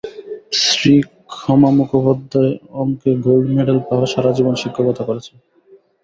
স্ত্রী ক্ষমা মুখোপাধ্যায় অঙ্কে gold medal পাওয়া, সারা জীবন শিক্ষকতা করেছেন।